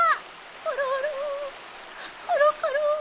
オロオロコロコロ。